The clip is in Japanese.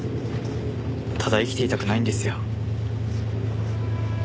ただ生きていたくないんですよ。